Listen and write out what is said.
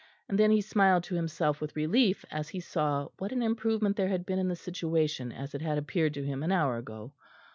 And then he smiled to himself with relief as he saw what an improvement there had been in the situation as it had appeared to him an hour ago.